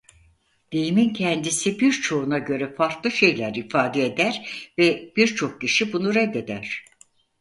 Deyimin kendisi birçoğuna göre farklı şeyler ifade eder ve birçok kişi bunu reddeder.